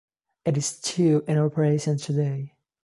It is still in operation today.